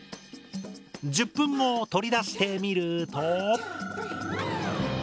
１０分後取り出してみると。